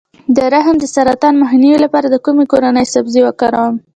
د رحم د سرطان مخنیوي لپاره د کومې کورنۍ سبزي وکاروم؟